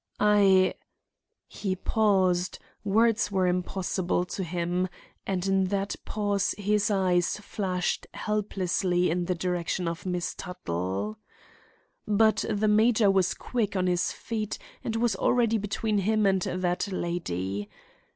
"I—" He paused; words were impossible to him; and in that pause his eyes flashed helplessly in the direction of Miss Tuttle. But the major was quick on his feet and was already between him and that lady.